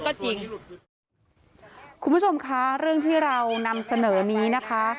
ก็จริงคุณผู้ชมคะเรื่องที่เรานำเสนอนี้นะคะ